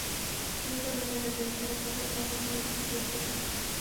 জুতা না থাকায় দুই পায়ের তলায় যখম হয়ে গিয়েছিল।